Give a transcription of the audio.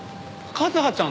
和葉ちゃん？